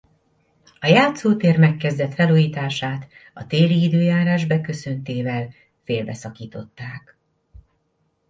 A játszótér megkezdett felújítását a téli időjárás beköszöntével félbeszakították.